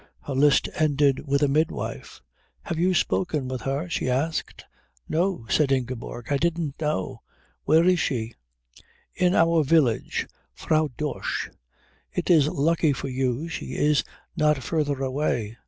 Her list ended with a midwife. "Have you spoken with her?" she asked. "No," said Ingeborg. "I didn't know where is she?" "In our village. Frau Dosch. It is lucky for you she is not further away.